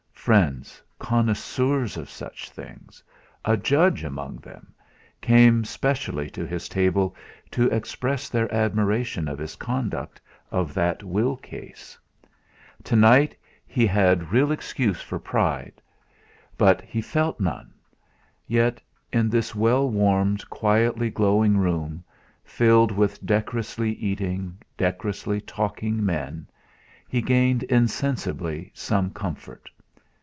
Friends, connoisseurs of such things a judge among them came specially to his table to express their admiration of his conduct of that will case. Tonight he had real excuse for pride, but he felt none. Yet, in this well warmed quietly glowing room, filled with decorously eating, decorously talking men, he gained insensibly some comfort.